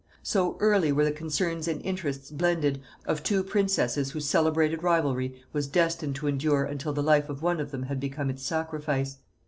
So early were the concerns and interests blended, of two princesses whose celebrated rivalry was destined to endure until the life of one of them had become its sacrifice!